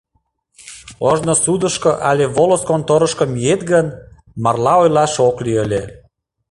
Ожно судышко але волыс конторышко миет гын, марла ойлаш ок лий ыле.